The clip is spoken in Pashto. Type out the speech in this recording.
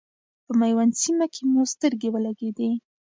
په میوند سیمه کې مو سترګې ولګېدلې.